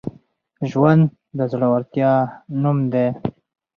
ژوند د زړورتیا نوم دی.